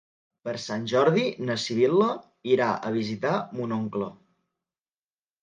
Per Sant Jordi na Sibil·la irà a visitar mon oncle.